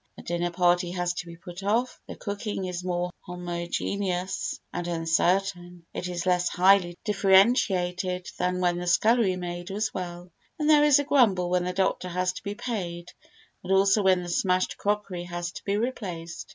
A dinner party has to be put off; the cooking is more homogeneous and uncertain, it is less highly differentiated than when the scullery maid was well; and there is a grumble when the doctor has to be paid and also when the smashed crockery has to be replaced.